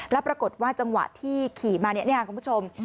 แล้วปรากฏว่าจังหวะที่ขี่มาเนี่ยคุณผู้ชม